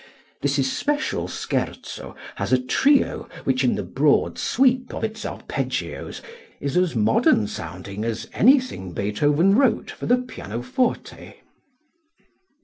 This especial scherzo has a trio which in the broad sweep of its arpeggios is as modern sounding as anything Beethoven wrote for the pianoforte.